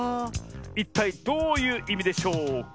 いったいどういういみでしょうか？